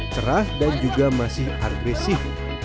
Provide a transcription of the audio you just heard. cerah dan juga masih agresif